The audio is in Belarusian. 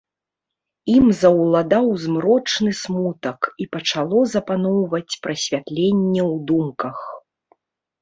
Ім заўладаў змрочны смутак, і пачало запаноўваць прасвятленне ў думках.